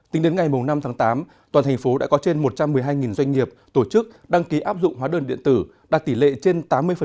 tính đến ngày năm tháng tám toàn thành phố đã có trên một trăm một mươi hai doanh nghiệp tổ chức đăng ký áp dụng hóa đơn điện tử đạt tỷ lệ trên tám mươi